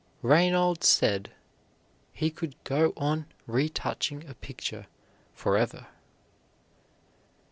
Reynolds said he could go on retouching a picture forever.